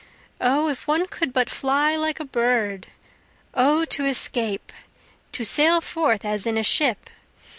O if one could but fly like a bird! O to escape, to sail forth as in a ship!